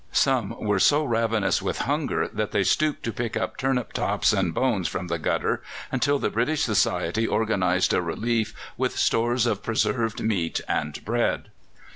Some were so ravenous with hunger that they stooped to pick up turnip tops and bones from the gutter, until the British Society organized a relief with stores of preserved meat and bread.